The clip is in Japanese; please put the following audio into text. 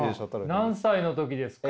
何歳の時ですか？